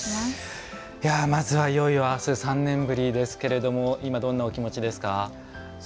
まずは、いよいよ明日、３年ぶりですが今、どんなお気持ちですか？